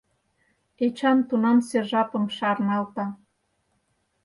Эчан тунамсе жапым шарналта.